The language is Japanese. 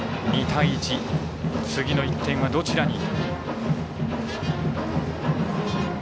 ２対１、次の１点はどちらに。